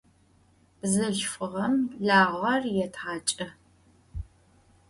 Bzılhfığem lağer yêthaç'ı.